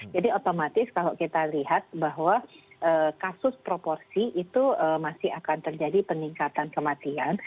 jadi otomatis kalau kita lihat bahwa kasus proporsi itu masih akan terjadi peningkatan kematian